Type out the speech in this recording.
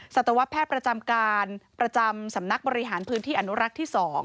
สัตวแพทย์ประจำการประจำสำนักบริหารพื้นที่อนุรักษ์ที่๒